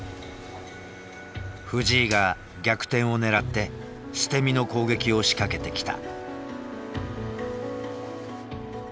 藤井が逆転をねらって捨て身の攻撃を仕掛けてきた。